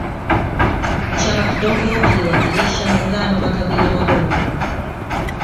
chama kidogo kiliwakilisha muungano wa makabila madogo